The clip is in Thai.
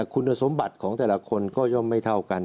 คุณสมบัติของแต่ละคนก็ย่อมไม่เท่ากัน